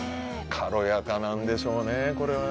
軽やかなんでしょうね、これは。